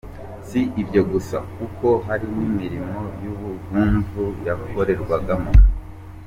Si ibyo gusa kuko hari n’imirimo y’ubuvumvu yakorerwagamo.